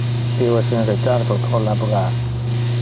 Io es in retardo pro laborar.